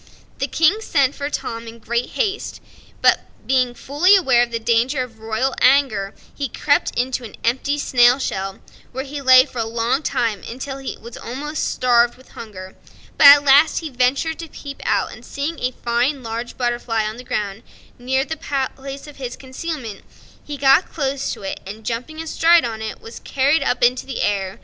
The King sent for Tom in great haste, but being fully aware of the danger of royal anger, he crept into an empty snail shell, where he lay for a long time until he was almost starved with hunger; at last he ventured to peep out, and seeing a fine large butterfly on the ground, near the place of his concealment, he got close to it and jumping astride on it was carried up into the, air.